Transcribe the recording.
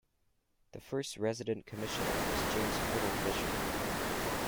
The first Resident Commissioner was James Hurtle Fisher.